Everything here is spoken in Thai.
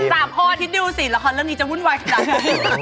จากพ่อที่ดู๔ละครเรื่องนี้จะวุ่นวายขนาดนี้